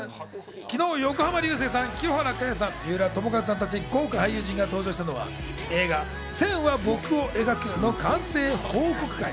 昨日、横浜流星さん、清原果耶さん、三浦友和さんら豪華俳優陣たちが登場したのは映画『線は、僕を描く』の完成報告会。